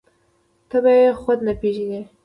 ته به يې خود نه پېژنې.